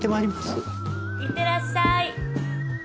いってらっしゃい。